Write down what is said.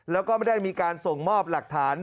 และก็ไม่มีส่งมอบหลักฐาน